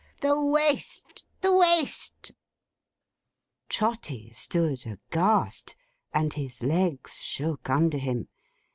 The Waste, the Waste!' Trotty stood aghast, and his legs shook under him.